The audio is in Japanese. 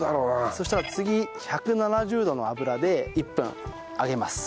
そしたら次１７０度の油で１分揚げます。